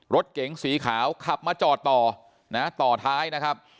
รถเก๋งสีขาวขับมาจอดต่อนะต่อท้ายนะครับ